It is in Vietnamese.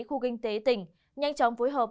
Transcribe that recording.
khu kinh tế tỉnh nhanh chóng phối hợp